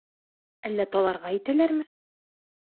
Әллә таларға итәләрме?